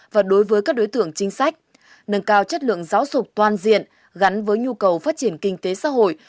và đối với các đối tượng chính sách nâng cao chất lượng giáo dục toàn diện gắn với nhu cầu phát triển kinh tế xã hội